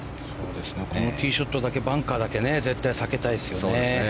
このティーショットはバンカーだけは絶対避けたいですね。